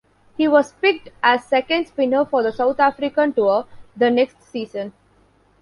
He was picked as second spinner for the South African tour the next season.